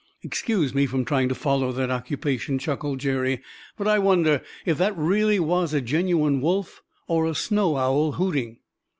"Excuse me from trying to follow that occupation," chuckled Jerry; "but I wonder if that really was a genuine wolf, or a snow owl hooting?"